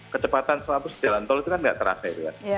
kecepatan jalan tol itu tidak terasa